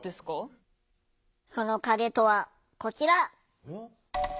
その影とはこちら！